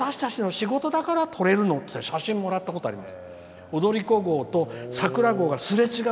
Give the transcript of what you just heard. これ、私たちの仕事だから撮れるの」って写真もらったことあります。